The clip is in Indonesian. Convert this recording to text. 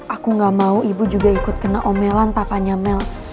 aku gak mau ibu juga ikut kena omelan papanya mel